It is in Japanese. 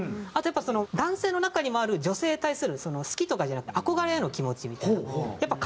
あとやっぱり男性の中にもある女性に対する好きとかじゃなくて憧れの気持ちみたいな。